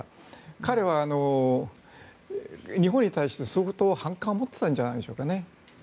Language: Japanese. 彼は日本に対して相当反感を持っていたんじゃないでしょうかね。